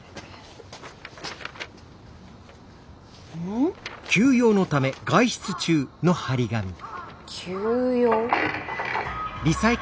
ん？急用？